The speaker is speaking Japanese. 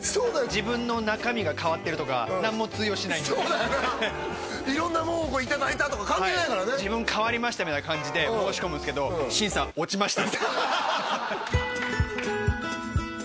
自分の中身が変わってるとか何も通用しないんでそうだよないろんなもんいただいたとか関係ないからね自分変わりましたみたいな感じで申し込むんですが審査落ちました